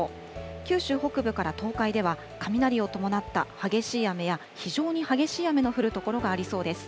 九州北部から東海では、雷を伴った激しい雨や、非常に激しい雨の降る所がありそうです。